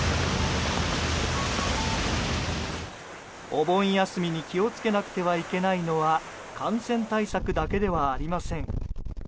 お盆休みに気を付けなくてはいけないのは感染対策だけではありません。